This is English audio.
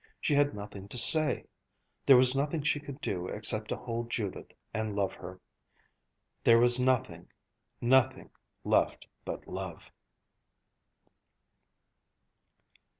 She had nothing to say. There was nothing she could do, except to hold Judith and love her. There was nothing, nothing left but love.